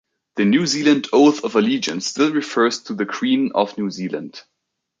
The New Zealand Oath of Allegiance still refers to the Queen of New Zealand.